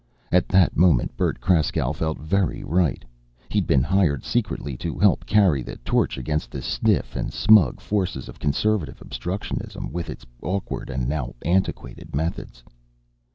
At that moment Bert Kraskow felt very right. He'd been hired secretly to help carry the torch against the stiff and smug forces of conservative obstructionism, with its awkward and now antiquated methods.